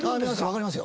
分かります。